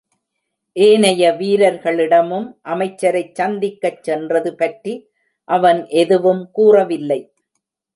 ஏனைய வீரர்களிடமும் அமைச்சரைச் சந்திக்கச் சென்றது பற்றி அவன் எதுவும் கூறவில்லை.